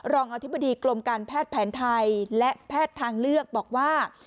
รองอธิบดีกรมการแพทย์แผนไทยและแพทย์ทางเลือกบอกว่า